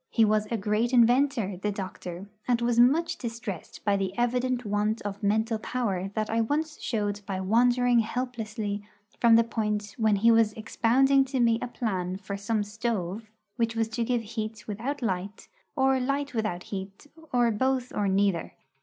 He was a great inventor, the doctor, and was much distressed by the evident want of mental power that I once showed by wandering helplessly from the point when he was expounding to me a plan for some stove which was to give heat without light, or light without heat, or both or neither.